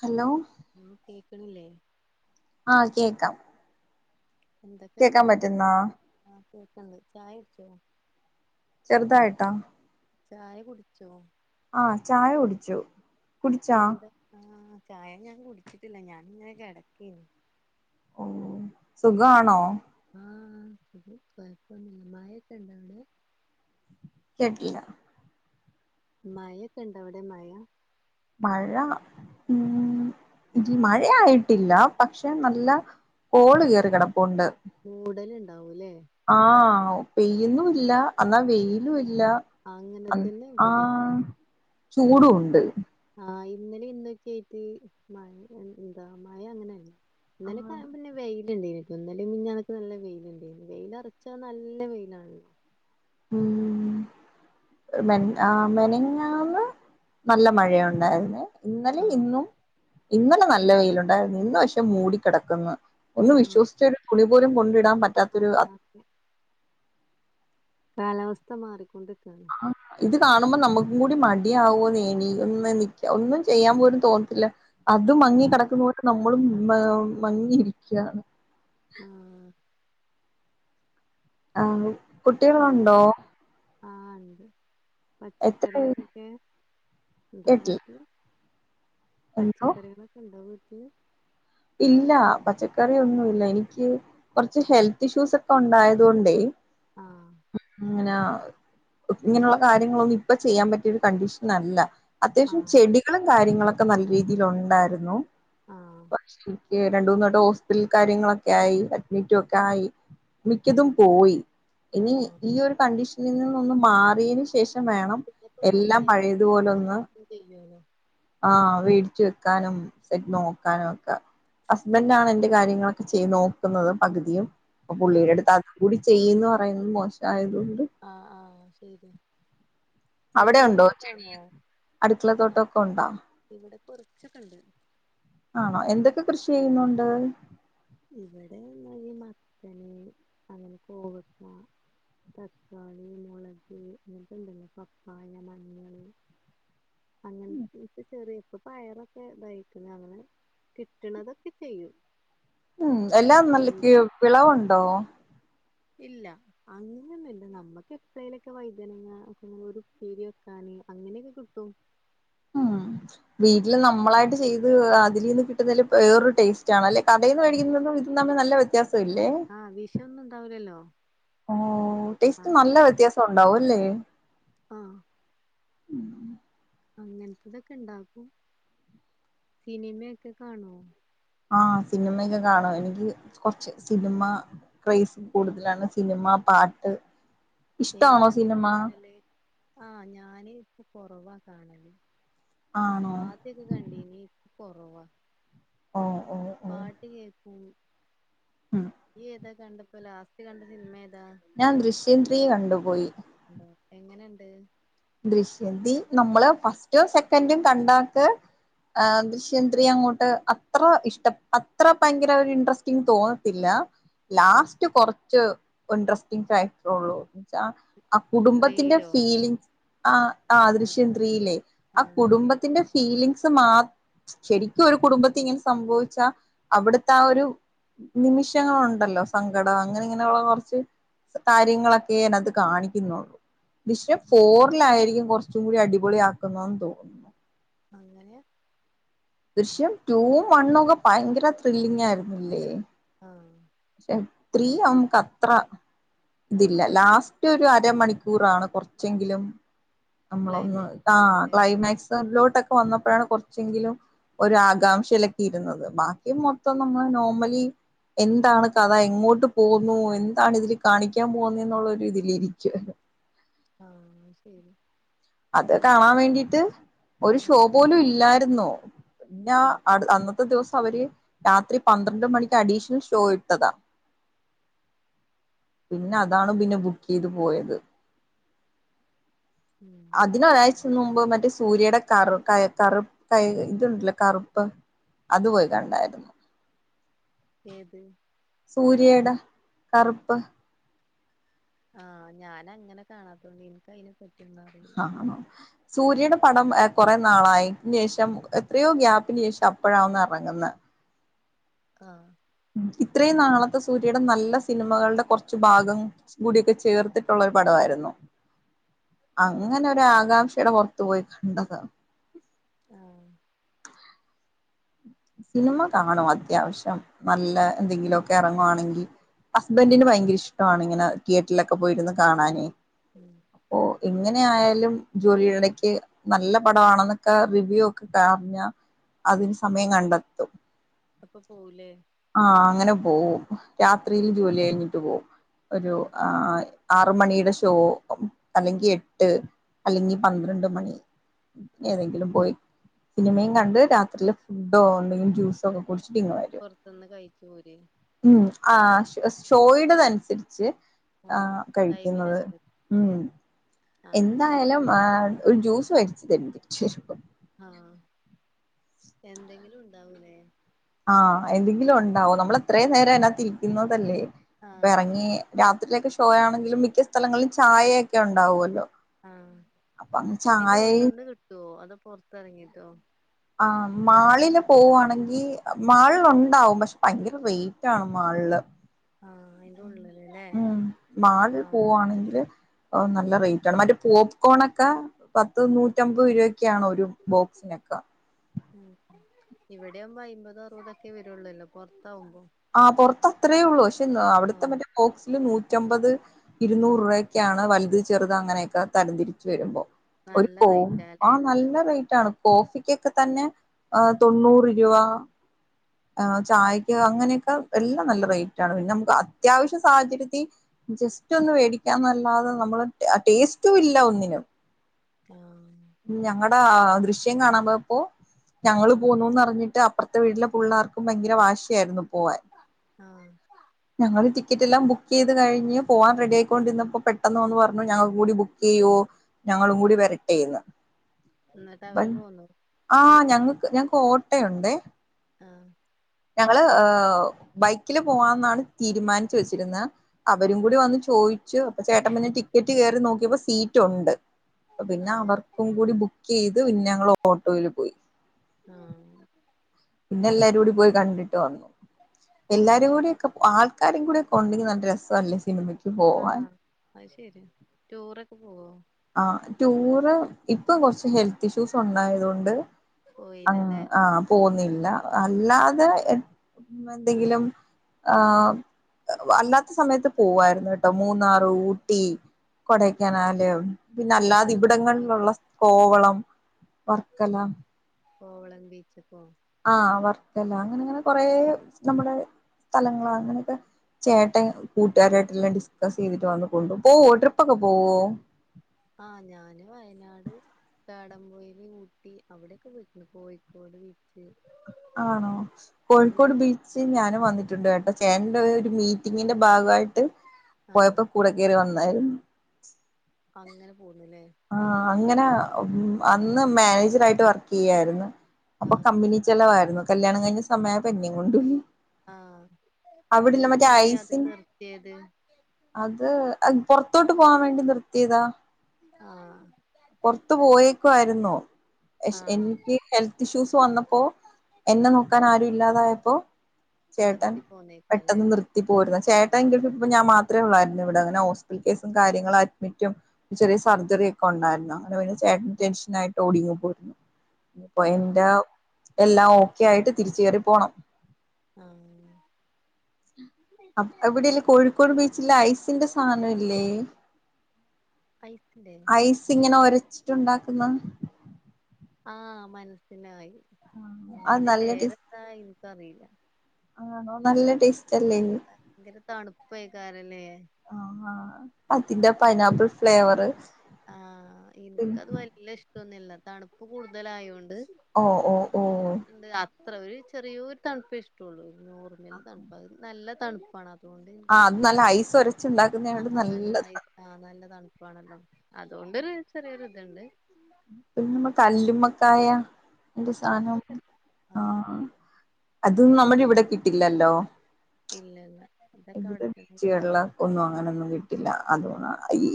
Hello കേക്കണില്ലേ? ആ കേക്കാം. എന്തൊക്കെയുണ്ട് കേക്കാൻ എന്നിട്ട്? പറ്റുന്നാ കേക്കണ്ട് ചായ കുടിച്ചോ? ചെറുതായിട്ടാ? ചായ കുടിച്ചോ? ആ ചായ കുടിച്ചു. കുടിച്ചാ എന്ത് ആഹ് ചായ ഞാൻ കുടിച്ചിട്ടില്ല ഞാനങ്ങനെ കെടക്കേന്ന്. ഓ സുഗാണോ? ആ കൊഴപ്പൊന്നുമില്ല മയയൊക്കിണ്ടാ അവിടെ? കേട്ടില്ല. മയൊക്കെ ഇണ്ടാ അവിടെ മഴ? മഴ ഉം മഴയായിട്ടില്ല പക്ഷേ നല്ല കോള് കേറി കിടപ്പുണ്ട്. മൂടല് ഇണ്ടാവൂലേ? ആഹ് വെയ്യിന്നുല്ല അന്നാ വെയ്യ് [unintelligible] ല അങ്ങനെ അം തന്നെ ഇവിടേം ആഹ് ചൂടും ഉണ്ട്. ആഹ് ഇന്നലെ ഇന്നൊക്കായിട്ട് മയ് എന്താ മയ അങ്ങനെ തന്നെ. ആഹ് ഇന്നലേക്കാവുമ്പിന്നെ വെയ് [unintelligible] ഇന്നലേം മിഞ്ഞാന്നൊക്കെ നല്ല വെയിലുണ്ടെന്ന് വെയിലറച്ചാ നല്ല വെയിലാണല്ലോ. മ്മ് മെ ആഹ് മെനഞ്ഞാന്ന് നല്ല മഴയൊണ്ടാരുന്നേ. ഇന്നലെ ആഹ് ഇന്നും ഇന്നലെ നല്ല വെയിലുണ്ടാരുന്നു ഇന്ന് പക്ഷെ മൂടിക്കെടക്കുന്നു. ഒന്ന് വിശ്വസിച്ചൊരു തുണി പോലും കൊണ്ടിടാ - ആ അ അ ആ ക്കെ കാലാവസ്ഥ മാറിക്കൊണ്ട് ആ ഇത് കാണുമ്പോ നമു ന്നും കൂടി മടിയാവൂന്നെ എണീ നിക്ക ഒന്നും ചെയ്യാൻ പോലും തോന്നത്തില്ല. അതും മങ്ങി ആ കെടക്കുന്നോട്ട് നമ്മു മ്മള് മ-മങ്ങിയിരിക്ക്യാണ് ആ ആ പച്ച കുട്ടികളുണ്ടോ ആ ണ്ട് എത്ര പച്ചക്കറികളൊക്കെ ണ്ടോ കേട്ടില്ല വീട്ടിൽ എന്തോ പച്ചക്കറികളൊക്കെ ണ്ടോ വീ ഉം ഇല്ല പച്ചക്കറി ഒന്നുല്ല എനിക്ക് കൊറച്ച് ഹെൽത്ത് ഇഷ്യൂസ് ഒക്കെ ഉണ്ടായതൊണ്ടേ ആഹ് ങ്ങനാ ഇങ്ങനൊള്ള കാര്യങ്ങളൊന്നും ഇപ്പൊ ചെയ്യാൻ പറ്റിയൊരു കണ്ടീഷനല്ല അത്യാശം ആഹ് ചെടികളും കാര്യങ്ങളൊ ക്കെ നല്ല രീതിലൊണ്ടാരുന്നു. ആ പക്ഷെ എനിക്ക് രണ്ടൂമൂന്നു വട്ടം ഹോസ്പിറ്റൽ കാര്യങ്ങളൊക്കായി അഡ്മിറ്റുവൊക്കെ ആയി മിക്കതും പോയി. ഇനി ആഹ് ഈ ഒരു കണ്ടീഷ നിൽനിന്ന് ഒന്നു മാറീയേന്ശേഷം വേണം പിന്നെപ്പോ എല്ലാം പഴയതുപോലോന്ന് മഴയല്ലേ ചെയ്യോലോ ആ മേടിച്ച് വെക്കാനും സെറ്റ് നോക്കാനു ഒ ക്കെ ഹസ്ബന്റാണെന്റെ കാര്യങ്ങളൊക്കെ ചെയ്തു നോക്കുന്നത് പകുതിയും പ്പ ആഹ് പുള്ളിടടുത്ത് ആക്കെകൂടി ചെയ്യന്ന് പറയുന്നത് മോശായത് കൊ ആ ആ ശര്യാ അവിടെ ഉണ്ടോ ചെടി അടുക്കള തോട്ടൊക്കെ ഉണ്ടോ ചക്കണ്ട് ആണോ എന്തൊക്കെ കൃഷി ചെയ്യുന്നുണ്ട് ഇവിടെ ഈ മത്തന് അങ്ങനെ കോവക്ക, തക്കാളി, മുളക് അങ്ങനത്തെ ണ്ടല്ലോ പപ്പായ, മഞ്ഞൾ അങ്ങനത്തെ ചെറിയേ പ്പ പയറൊക്കെ തായിക്ക്ണ് അങ്ങനെ കിട്ട്ണതൊക്കെ ചെയ്യും. മ് എല്ലാം ഉം നല്ലക്ക് വിളവുണ്ടോ ഇല്ല അങ്ങനെന്നുല്ല നമ്മക്ക് എപ്ല്ലേലൊക്കെ വൈദനങ്ങ ഒരു പ്പേരി വെക്കാന് അങ്ങനെക്കെ കിട്ടും. വീട്ടിൽ ഉം നമ്മളായിട്ട് ചെയ്ത് അത് അതിലീന്ന് കിട്ടുന്നതിന് വേറൊരു ടേസ്റ്റാണല്ലേ കടയീന്ന് അതെ മേടിക്കുന്നതും ഇതും നല്ല വ്യ ത്യാസല്ലേ ആഹ് വിഷൊന്നും ഉണ്ടാവൂലല്ലോ ഓ ടേസ്റ്റ് നല്ല വ്യത്യാസം ഉണ്ടാവു അല്ലേ ആ മ് ഉം അങ്ങനത്തതൊക്കെ ണ്ടാക്കും സിനിമെക്കെ കാണോ ആഹ് സിനിമക്കെ കാണും എനിക്ക് കൊറച്ച് സിനിമ ക്രൈസ് കൂടുതലാണ് സിനിമ പാട്ട് ഇഷ്ടാണോ സിനിമ ഏതാപ്പകാണല് ആഹ് ഞാന് കൊറവാ കാണല് ആണോ ആദൃക്കെകണ്ടീനി കൊറവാ ഓ ഓ ഓ പാട്ട് കേക്കും ഉം യ്യ് ഏത കണ്ടപ്പോ ലാസ്റ്റ് കണ്ട സിനിമേ ഞാൻ ദൃഷ്യം ത്രീ കണ്ടുപോയി എന്തോ എങ്ങനെണ്ട് ദൃഷ്യം തീ നമ്മള് ഫസ്റ്റും സെക്കൻറും കണ്ടാക്ക് ദൃശ്യത്രീ അങ്ങോട്ട് അത്ര ഇഷ്ട്ട അത്ര ഭയങ്കര ഒരു ഇൻട്രസ്റ്റിങ് തോന്നത്തില്ല. ആ ലാസ്റ്റ് കൊറ [unintelligible] ഇൻട്രസ്റ്റിംഗ ഫാക്ടറ ഒള്ളു എന്നച്ചാ ആ കുടുംബത്തിന്റെ ത്രീയിലോ ഫീലിങ്സ് ആ ആ ദൃശ്യത്രീല്ലേ ആ കുടുംബത്തിന്റെ ഫീലിങ്സ് മാ ശരിക്കും ഒരു കുടുംബത്തി ഇങ്ങനെ സംഭവിച്ചാ അവിടുത്തെ ആ ഒരു നിമിഷങ്ങളുണ്ടല്ലോ സങ്കടം അങ്ങനെ ഇങ്ങനെയുള്ള കുറച്ച് കാര്യങ്ങളൊക്കെ അതിനകത് കാണിക്കുന്നുള്ളൂ ദൃശ്യം ഫോർ മക്കളായിരിക്കും കൊറച്ചുകൂടി അടിപൊളി ആക്കുന്നതെന്ന് തോന്നുന്നു അങ്ങനെ ദൃശ്യം ടൂ വണ്ണും ഒക്കെ ഭയങ്കര ത്രില്ലിങ് ആയിരുന്നില്ലേ ആ ത്രീ നമക്ക് അത്ര ഇതില്ല ലാസ്റ്റ് ഒരു അരമണിക്കൂറാണ് കുറച്ചെങ്കിലും നമ്മളൊന്ന് ആ ക്ലൈമാക്സിലതില്ലേ ക്ലൈമാക്സിലോ ക്കെ വന്നപ്പോഴാണ് കുറച്ചെങ്കിലും ഒരു ആകാംക്ഷയിലക്കെ ഇരുന്നത് ബാക്കി മൊത്തം നമ്മൾ നോർമലി എ എന്താണ് കഥ എങ്ങോട്ട് പോവുന്നു എന്താണ് ഇതിൽ കാണിക്കാൻ പോവുന്നെ എന്നുള്ള ഇതിലിരിക്കുവായിരുന്നു ആഹ ശരി അത് ബുക്ക് കാണാൻ വേണ്ടിട്ട് ഒരു ആ ഷോ പോലും ഇല്ലാരുന്നു പിന്നാ ആ അടു അന്നത്തെ ദിവസം അവര് രാത്രി പന്ത്രണ്ട് മണിക്ക് അഡീഷണൽ ഷോ ഇട്ടതാ പിന്നെ അതാണ് പിന്നെ ബുക്ക് ചെയ്ത് പോയത് ഉം അതിനൊരാഴ്ച മുമ്പ് മറ്റേ സൂര്യയുടെ കറു ക കറുപ്പ് കൈ ഇതുണ്ടല്ല കറുപ്പ് അത് പോയി കണ്ടായിരുന്നു ഏത് സൂര്യയുടെ കറുപ്പ് ആഹ ഞാന അങ്ങനെ കാണാത്തോണ്ട് എനിക്ക അയിനെ ആണോ സൂര്യയുടെ പടം കുറേ നാളായി ന് ശേഷം എത്രയോ ഗ്യാപ്പിന് ശേഷം അപ്പോഴാ ഒന്ന് എറങ്ങുന്നെ ആഹ ഇത്രയും നാളത്തെ സൂര്യയുടെ നല്ല സിനിമകളുടെ കുറച്ച് ഭാഗം കൂടിയൊക്കെ ചേർത്തിട്ടൊള്ള ഒരു പടവായിരുന്നു അങ്ങനെ ഒരു ആകാംക്ഷയുടെ പുറത്തു പോയി കണ്ടതാ ആഹ സിനിമ കാണും അത്യാവശ്യം നല്ല എന്തെങ്കിലും ഒക്കെ ഇറങ്ങുവാണെങ്കി ഹസ്ബൻഡിന് ഭയങ്കര ഇഷ്ട്ടാണ് ഇങ്ങനെ തിയേറ്ററിലൊക്കെ പോയിരുന്ന് കാണാനേ ഉം അപ്പോ ഇങ്ങൻ തെന്നെയായാലും ജോലിടിടക്ക് നല്ല പടണൊന്നൊക്കെ റിവ്യൂ ഒക്കെ കാഞ്ഞ അതിന് സമയം കണ്ടെത്തും അപ്പൊ പോവൂലേ ആഹ അങ്ങനെ പോവും രാത്രിയിൽ ജോലി കഴിഞ്ഞിട്ട് പോവും ആ ഒരു ആയ് ആറ് മണിയുടെ ഷോ അല്ലെങ്കി എട്ട് അല്ലെങ്കി പന്ത്രണ്ട് മണി ഏതെങ്കിലും പോയി സിനിമയും കണ്ട് രാത്രില് ഡോ എന്തെങ്കിലും ജ്യൂസ് തൊക്കെ കുടിച്ചിട്ട് ഇങ്ങ് വരും പൊറത്തുന്ന് കഴിച്ചു പോരേ ഇം ആ ഷോ ഷോയിടതനുസരിച്ച് ആ കഴിക്കുന്നത് ടൈമിനനുസരിച്ച് ഉം ആ എന്തായാലും ആ ഒരു ജ്യൂസ് വരിച്ചു തരും തിരിച്ചു വരുമ്പോ ആഹ് എന്തെങ്കിലും ഉണ്ടാവുലേ ആ എന്തെങ്കിലും ഉണ്ടാവും നമ്മൾ അത്രയും നേരം അതിനത്തിരിക്കുന്നോണ്ടല്ലേ ആ അപ്പ ആ എറങ്ങി രാത്രിലൊക്കെ ഇഷ് സോയാണെങ്കിലും മി മിക്ക സ്ഥലങ്ങളിൽ ചായയൊക്കെ ഒണ്ട് ഉണ്ടാവുവല്ലോ ഉം അയ്ന്റെ ഉള്ളെന്ന് കിട്ടുവോ അ പൊറത്തിറങ്ങിട്ടോ ആഹ് മാളില് പോവുവാണെങ്കി മാളിലൊണ്ടാവും പക്ഷെ ഭയങ്കര റേറ്റാണ് മാളില് ആ അയിന്റെ ഉള്ളിലല്ലേ ഉം ആ ഓഹ് നല്ല റേറ്റാണ് മറ്റേ പോപ്കോണോക്കെ പത്ത് നൂറ്റമ്പത് രൂപക് ക്കെയാണ് ഒരു ബോക്സിനെക്ക ഇവിടെയാമ്പോ അയ്മ്പതൊ അറുപതൊക്കെ വരുള്ളൂല്ലോ പൊറത്താവുമ്പോ ആഹ് പുറത്ത് അത്രേ ഉള്ളൂ [unintelligible] അവിടുത്തെ ആഹ് മറ്റേ ബോക്സില് നു റ്റമ്പത് ഇരുന്നൂറ് രൂ ആഹ് വക്കാണ് വലുത് ചെറുത് അങ്ങനെയൊക്കെ തരംതിരിച്ച് വരുമ്പോ ഒരു നല്ല കോ ആ റേറ്റാല്ലേ നല്ല റേറ്റാണ് കോഫിക്കൊക്കെ തന്നെ ആഹ് തൊണ്ണൂറ് രൂവ ആ ചായക്ക് അങ്ങനെയൊക്കെ എല്ലാം നല്ല റേറ്റ് ആണ് പിന്നെ നമുക്ക് അത്യാവശ്യ സാഹചര്യത്തി ജസ്റ്റ് ഒന്ന് വേടിക്കാന്നല്ലാതെ നമ്മള് ആ ടേസ്റ്റും ഇല്ല ഒന്നിനും ആഹ് ഞങ്ങടെ ദൃശ്യം കാണാൻ പോയപ്പോ ഞങ്ങൾ ആഹ് പോന്നുന്ന് അറിഞ്ഞിട്ട് അ അപ്പറത്തെ വീട്ടിലെ പുള്ളാർക്കും ഭയങ്കര വാശിയായിരുന്നു പോവാൻ ആഹ് ഞങ്ങള് ടിക്കറ്റ് എല്ലാം ബുക്ക് ചെയ്ത് കഴിഞ്ഞ് പോവാൻ റെഡി ആയിക്കൊണ്ടിന്നപ്പോ പെട്ടെന്ന് വന്ന് പറഞ്ഞു ഞങ്ങൾക്കുടി ബുക്ക് ചെയ്യുവോ ഞങ്ങളും കൂടി വരട്ടേന്ന് എന്നിട്ട് അവര് [unintelligible] പോന്നു ആഹ് ഞങ്ങക്ക് ഞ ഫോട്ടയുണ്ടെ ആഹ് ഞങ്ങള് ഏഹ് ബൈക്കില് പോവാന്നാണ് തീരുമാനിച്ച് വെച്ചിരുന്ന് അ അവരും കൂടി വന്ന് ചോയിച്ചു അപ്പൊ ചേട്ടൻ പിന്ന ടിക്കറ്റ് കയറി നോക്കിയപ്പോ സീറ്റ് ഉണ്ട് അപ്പോ പിന്നെ ആഹ് അവർക്കും കൂടി ബുക്കീ [unintelligible] ന്നാ ഞങ്ങള് ഓട്ടോയിൽ പോയി ആഹ് പിന്നെ എല്ലരും കൂടി പോയി കണ്ടിട്ട് വന്നു എല്ലാരും കൂടി ഒക്കെ ആൾ ക്കാരും കൂടെ ഒക്കൊണ്ടെങ്കി നല്ല രസാല്ലേ സിനിമ ആഹ് അത് ശരി ടൂറൊക്കെ പോവോ ആ ടൂറ് ഇപ്പൊ കൊറച്ച് ഹെൽത്ത് ഇഷ്യൂസ് ഉണ്ടായത് കൊണ്ട് അങ് പോയില്ലല്ലേ ആഹ് പോന്നില് അല്ല അല്ലാതെ എന്തെങ്കിലും ആഹ് വ അല്ലാത്ത സമയത്ത് പോവായിരുന്നട്ടോ മൂന്നാറ് ഊട്ടി കൊടയ്ക്കനാല് എല്ലാ പിന്നല്ലാതെ സ്ഥലത്തേക്കും ഇവിടങ്ങളിലുള്ള പോയിക്ക്ണ് സ്കോവള അം വർക്കല കോവളം ബീച്ച് ക്കോ ആഹ് വർക്കല അങ്ങനെങ്ങനെ കുറേ നമ്മുടെ സ്ഥലങ്ങളാ അങ്ങനെയൊക്കെ ചേട്ടൻ കൂട്ടുകാര എലാം ഡിസ്കസ് ചെയ്തിട്ട് വന്ന് കൊണ്ടു പോവോ ട്രിപ്പൊക്കെ പോവോ ചാടം പോയവി ഊട്ടി അവിടെയൊക്കെ വന്ന് കോയിക്കോട് വീട്ട ആണോ കോഴിക്കോട് അങ്ങനത്തെ ബീച്ച് ഞാനും വന്നിട്ട ണ്ട് കേട്ടോ ചേട്ടന്റെഒരു മീറ്റിങ്ങിന്റെ ഭാഗയിട്ട് ട്ട് ആഹ് പോയപ്പോ കൂടെ കയറി വന്ന് [inaudible] അങ്ങനെ പോന്നുല്ലേ ആ ഇങ്ങനെ അന്ന് മാനേജർ ആയിട്ട് വർക്ക് ചെയ്യായിരുന്നു അപ്പൊ ആഹ് കമ്പനി ചെലവായിരുന്നു കല്യാണം കഴിഞ്ഞ സമയായപ്പോ എന്നേ കൊണ്ട് ആ അവിടില്ല മറ്റേ ഇതുപ്പന്തേ അത് ഐസിൻ നിർത്തിയത് അത് പുറത്തോട്ട് പോവാൻ വേണ്ടി നിർത്തിയതാ ആഹ് പൊറത്ത് പോയേക്കുവായിരുന്നു ആഹ് എനിക്ക് ഹെൽത്ത് ഇഷ്യൂസ് വന്നപ്പോ എന്നെ നോക്കാൻ ആരും ഇല്ലാതായപ്പോ ചേട്ടൻ നിർത്തി പോന്നേക്കാല്ലേ പെട്ടെന്ന് നിർത്തി പോരുന്നു, ചേട്ടൻ എങ്ക ഇപ്പ ഞാൻ മാത്രമേ ഉള്ളായിരുന്നു ഇവിടെ അങ്ങനെ ഹോസറ്റൽ കേസും കാര്യങ്ങളും അഡ്മിറ്റും ചെറിയ സർജറിയ ഒക്കെ ഉണ്ടായിരുന്നു അതുപി ഏട്ടൻ ടെൻഷനായി ഓടിയങ്ങു പോരുന്നു ഇപ്പൊ ആഹ് എന്താ എല്ലാം ഓക്കെ ആയിട്ട് തിരിച് കയറി പോണം ആഹ് അവിടെല്ല കോഴിക്കോട് ബീച്ച് ചില ഐസിന്റെ സാധനല്ലേ ഹയ്‌ട്‌ ഐസ് ഇങ്ങനെ ഒരു വച്ചിട്ടുണ്ടാക്കുന്ന ആ മനസ്സിനായി ആ അത് അതിന്റെ നല്ല ടേസ്റ്റ് പേരെന്താ അറിയില്ല ആണോ നല്ല ടേസ് ഭയങ്കര തണുപ്പായി കാരല്ലേ ആ പത്തിന്റെ പൈനാപ്പിൾ ഫ്ലേവറ് ആ എനിക്കത് വല്ല ഇഷ്ട കിന്നില്ല തണുപ്പ് കൂടുതല ആയോണ്ട് ഓ ഓ ഓ അത്ര ഒരു ചെറിയൊരു തണുപ്പേ ഇഷ്ടള്ളൂ ആ നോർമൽ തണുപ്പ നല്ല തണുപ്പാണം അതൊണ്ട് എനിക്ക് ആഹ് അത് നല്ല ഐസ് ഒരച്ചുണ്ടാക്കുന്നതോണ്ട് ആ നല്ല ഐ നല്ലതാണ് ആഹ് നല്ല തണുപ്പാണല്ലോ തൊണ്ടയിൽ ഒരു ചെരിയൊരു ഇതുണ്ട് [unintelligible] കല്ലുമ്മക്കായ എന്ത്‌ സാനം അതൊക്കെ ആ ആഹ് അതും നമ്മുടെ ഇവിടെ കി ട്ടില്ലല്ലോ ഇല്ല ഇല്ല ഇതില് [unintelligible] ഒന്നും അങ്ങനെയൊന്നും കിട്ടില്ല അത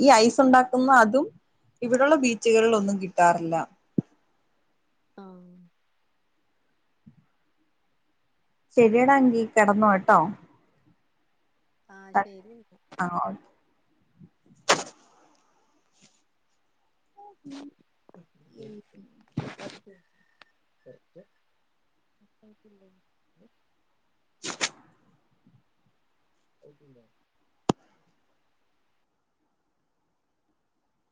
ഈ ഐസ്‌ണ്ടാക്കുന്ന അതും ഇവിടുള്ള ബീച്ചുകളിലൊന്നും കിട്ടാറില്ല ആ ശെരിടാ എങ്കീ കെടന്നോ ട്ടോ ആ ശരിഎന്നാ ഓക്കെ [unintelligible] [unintelligible] ആയിട്ടില്ല